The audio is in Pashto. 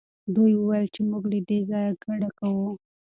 دوی وویل چې موږ له دې ځایه کډه کوو.